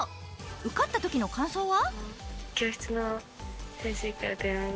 受かったときの感想は？